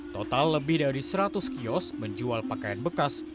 total lebih dari seratus kios menjual pakaian bekas